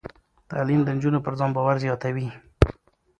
تعلیم د نجونو پر ځان باور زیاتوي.